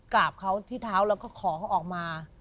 กราบเขาที่เท้าแล้วก็ขอเขาออกมา